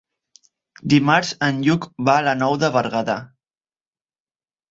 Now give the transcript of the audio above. Dimarts en Lluc va a la Nou de Berguedà.